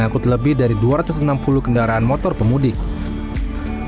diangkut oleh kapal perang yang diangkut oleh kapal perang yang diangkut oleh kapal perang yang